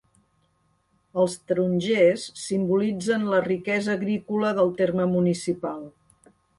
Els tarongers simbolitzen la riquesa agrícola del terme municipal.